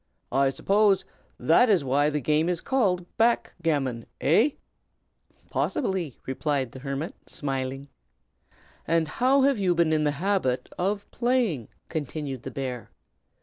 I suppose that is why the game is called back gammon, hey?" "Possibly!" replied the hermit, smiling. "And how have you been in the habit of playing?" continued the bear.